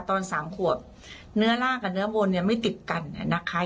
ตอนสามขวบเนื้อร่างกับเนื้อบนเนี่ยไม่ติดกันเนี่ยนะคะ